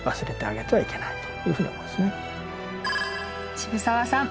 渋沢さん